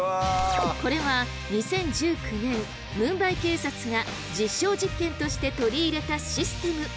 これは２０１９年ムンバイ警察が実証実験として取り入れたシステム。